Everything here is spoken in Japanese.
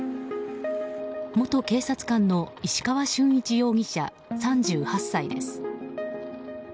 元警察官の石川俊一容疑者、３８歳です。